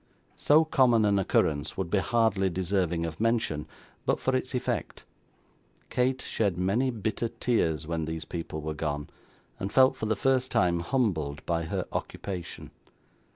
So common an occurrence would be hardly deserving of mention, but for its effect. Kate shed many bitter tears when these people were gone, and felt, for the first time, humbled by her occupation.